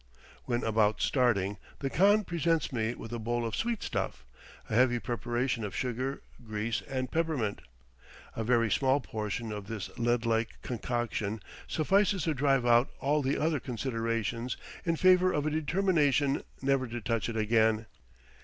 When about starting, the khan presents me with a bowl of sweet stuff a heavy preparation of sugar, grease, and peppermint. A very small portion of this lead like concoction suffices to drive out all other considerations in favor of a determination never to touch it again.